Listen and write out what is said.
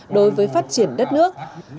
đối với phát triển đất nước